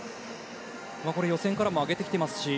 これ、予選からも上げてきていますし